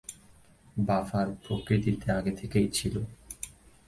Buffer প্রকৃতিতে আগে থেকেই ছিল।